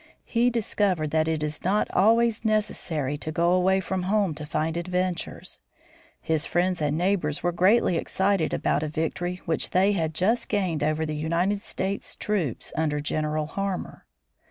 He discovered that it is not always necessary to go away from home to find adventures. His friends and neighbors were greatly excited about a victory which they had just gained over the United States troops under General Harmer.